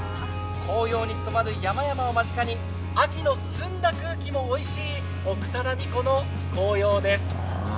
紅葉に染まる山々を間近に、秋の澄んだ空気もおいしい奥只見湖の紅葉です。